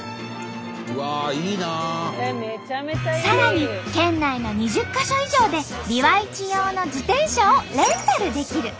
さらに県内の２０か所以上でビワイチ用の自転車をレンタルできる。